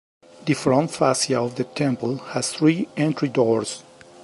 The front fascia of the temple has three entry doors.